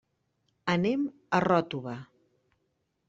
Anem a Ròtova.